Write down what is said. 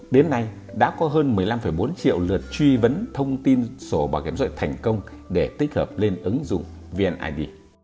đến nay đã có hơn một mươi năm bốn triệu lượt truy vấn thông tin sổ bảo hiểm xã hội thành công để tích hợp lên ứng dụng vnid